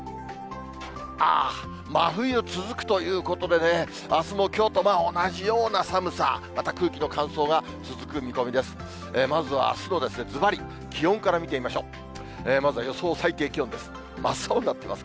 あー、真冬続くということでね、あすもきょうと同じような寒さ、また空気の乾燥が続く見込みです。